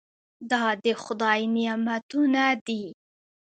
دا د خدای نعمتونه دي.